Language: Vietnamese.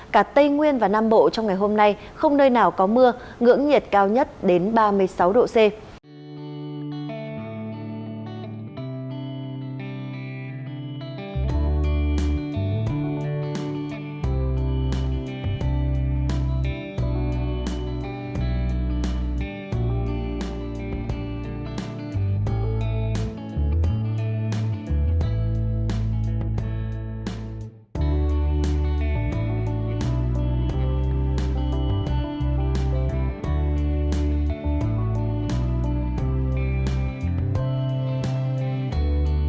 cả tây nguyên và nam bộ trong ngày hôm nay không khí lạnh bước vào giai đoạn suy yếu nên mưa sẽ giảm xuống chỉ còn ở vài nơi